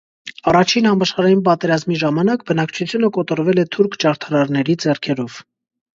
Առաջին համաշխարհային պատերազմի ժամանակ բնակչությունը կոտորվել է թուրք ջարդարարների ձեռերով։